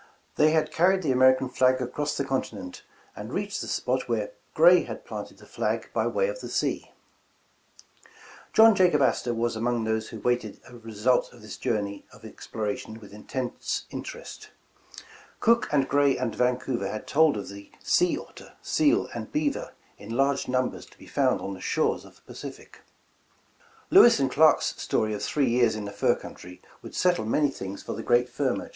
They had carried the American flag across the continent, and reached the spot where Gray had planted the flag by way of the John Jacob Astor was among those who awaited the result of this journey of exploration with intense in terest. Cook and Gray and Vancouver had told of *'sea otter, seal and beaver in large numbers to be found on the shores of the Pacific." Lewis and Clark's story of three years in the fur country would settle many things for the great fur merchant.